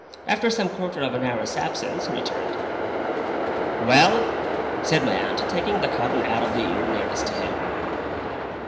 After some quarter of an hour's absence, he returned. 'Well?' said my aunt, taking the cotton out of the ear nearest to him.